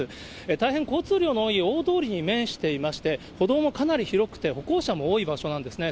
大変、交通量の多い大通りに面していまして、歩道もかなり広くて、歩行者も多い場所なんですね。